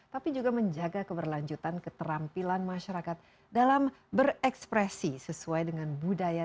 tapi juga menjaga keberlanjutan keterampilan masyarakat dalam berekspresi sesuai dengan budaya